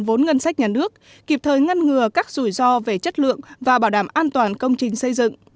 vốn ngân sách nhà nước kịp thời ngăn ngừa các rủi ro về chất lượng và bảo đảm an toàn công trình xây dựng